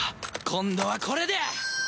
今度はこれで！